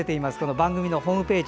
番組のホームページ